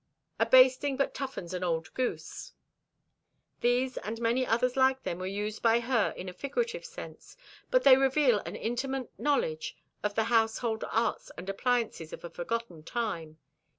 "A basting but toughens an old goose." These and many others like them were used by her in a figurative sense, but they reveal an intimate knowledge of the household arts and appliances of a forgotten time.